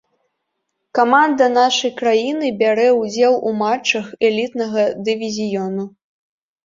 Каманда нашай краіны бярэ ўдзел у матчах элітнага дывізіёну.